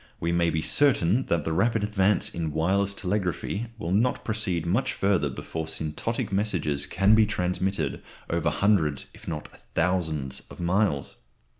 We may be certain that the rapid advance in wireless telegraphy will not proceed much further before syntonic messages can be transmitted over hundreds if not thousands of miles.